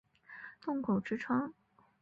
洞口之窗